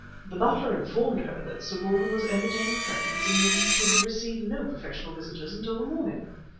The butler informed her that Sir Baldwin was entertaining friends and that he could receive no professional visitors until the morning.